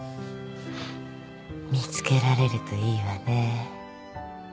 見つけられるといいわね。